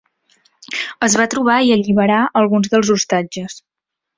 Es va trobar i alliberar alguns dels hostatges.